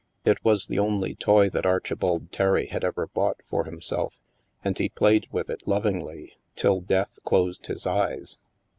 It was the only toy that Archibald Terry had ever bought for himself, and he played with it lovingly till Death closed his eyes.